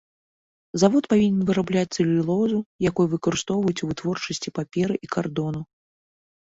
Завод павінен вырабляць цэлюлозу, якую выкарыстоўваюць у вытворчасці паперы і кардону.